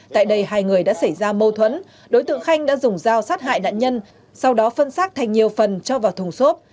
tại đây hai người đã xảy ra mâu thuẫn đối tượng khanh đã dùng dao sát hại nạn nhân sau đó phân xác thành nhiều phần cho vào thùng xốp